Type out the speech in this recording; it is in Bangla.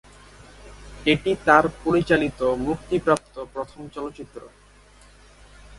এটি তার পরিচালিত মুক্তিপ্রাপ্ত প্রথম চলচ্চিত্র।